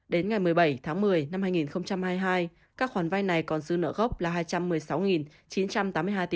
đến ngày một mươi bảy tháng một mươi năm hai nghìn hai mươi hai các khoản vai này còn giữ nợ gốc là hai trăm một mươi sáu chín trăm linh